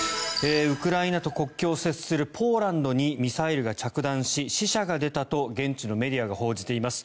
ウクライナと国境を接するポーランドにミサイルが着弾し死者が出たと現地のメディアが報じています。